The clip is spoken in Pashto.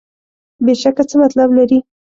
بېشکه څه مطلب لري.